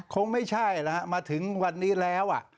คงไม่ใช่แล้วมาถึงวันนี้แล้ว